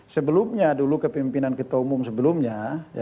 sebelumnya dulu kepimpinan ketua umum sebelumnya